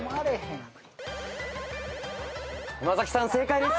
山崎さん正解です。